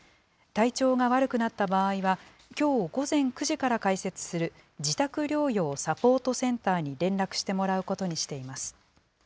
体調が悪くなった場合は、きょう午前９時から開設する自宅療養サポートセンターに連絡してもらうことにしています。